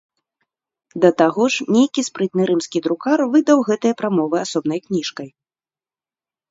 Да таго ж нейкі спрытны рымскі друкар выдаў гэтыя прамовы асобнай кніжкай.